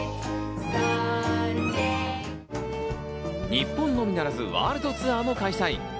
日本のみならず、ワールドツアーも開催。